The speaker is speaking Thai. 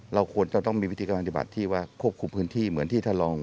เราควรจะต้องมีวิธีการปฏิบัติที่ว่าควบคุมพื้นที่เหมือนที่ท่านรอง